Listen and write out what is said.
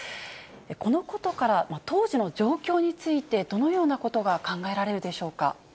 このことから、当時の状況についてどのようなことが考えられるでしょうか。